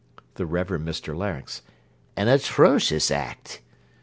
THE REVEREND MR LARYNX An atrocious act.